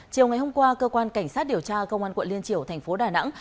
chiều ngày hôm qua cơ quan cảnh sát điều tra công an quận liên triều thành phố đà nẵng